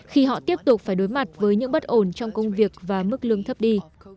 khi họ tiếp tục phải đối mặt với những bất ổn trong công việc và mức lương thấp đi